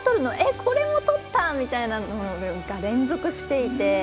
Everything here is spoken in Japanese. これもとったみたいなものが連続していて。